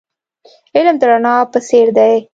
علم د رڼا په څیر دی .